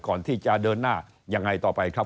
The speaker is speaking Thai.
ก่อนที่จะเดินหน้ายังไงต่อไปครับ